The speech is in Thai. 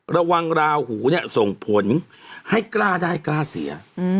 ราหูเนี่ยส่งผลให้กล้าได้กล้าเสีย